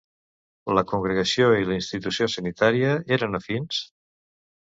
La congregació i la institució sanitària eren afins?